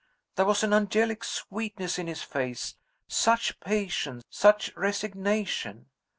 There was an angelic sweetness in his face such patience! such resignation!